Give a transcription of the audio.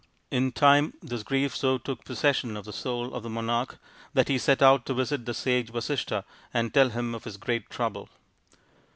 In time this grief so took possession of the soul of the monarch that he set out to visit the sage Vasishtha and tell him of his great trouble.